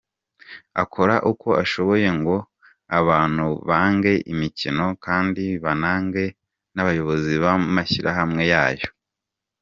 Akora uko ashoboye ngo abantu bange imikino kandi banange n’abayobozi b’amashyirahamwe yayo.